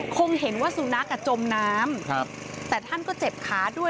คงเห็นว่าสุนัขอ่ะจมน้ำแต่ท่านก็เจ็บขาด้วย